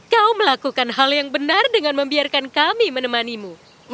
kau melakukan hal yang benar dengan membiarkan kami menemanimu